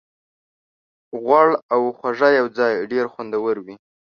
غوړ او خوږه یوځای ډېر خوندور وي.